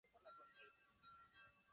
El programa se emite en formato semanal.